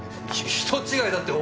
ひ人違いだって。